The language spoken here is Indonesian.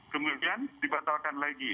kemudian dibatalkan lagi